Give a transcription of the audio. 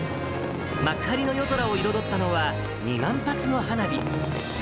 幕張の夜空を彩ったのは２万発の花火。